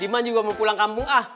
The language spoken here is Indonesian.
ima juga mau pulang kampung ah